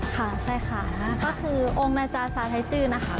ค่ะใช่ค่ะก็คือองค์นาจาซาไทยจืดนะคะ